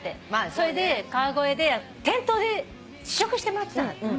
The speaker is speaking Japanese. それで川越で店頭で試食してもらってたんだって。